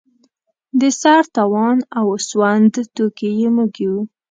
د سر تاوان او سوند توکي یې موږ یو.